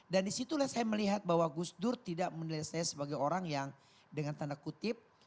dan disitulah saya melihat bahwa gus dur tidak melihat saya sebagai orang yang dengan tanda kutip